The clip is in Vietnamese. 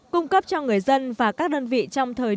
cung cấp cho người dân và các đơn vị trong thời